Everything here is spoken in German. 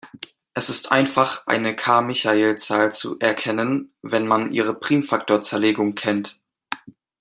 Es ist einfach, eine Carmichael-Zahl zu erkennen, wenn man ihre Primfaktorzerlegung kennt.